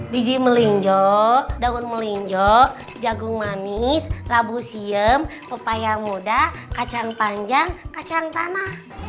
biji melinjo daun melinjo jagung manis rabu siem pepaya muda kacang panjang kacang tanah